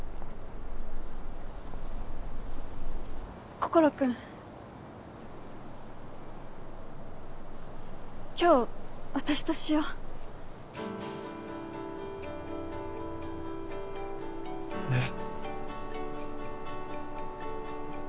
心君今日私としようえっ？